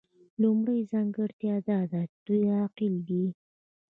لومړۍ ځانګړتیا دا ده چې دوی عاقل دي.